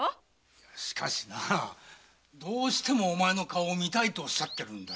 しかしどうしてもお前の顔を見たいとおっしゃってるんだ。